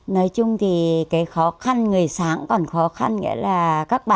nói chung thì cái khó khăn người sáng còn khó khăn nghĩa là các bà